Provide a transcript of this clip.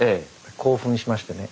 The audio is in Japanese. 興奮しましてね